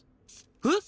えっ？